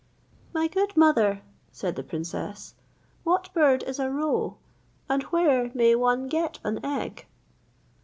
"My good mother," said the princess, "what bird is a roe, and where may one get an egg?"